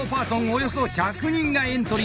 およそ１００人がエントリー。